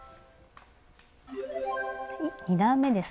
２段めです。